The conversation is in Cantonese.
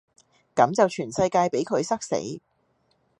就咁全世界比佢塞死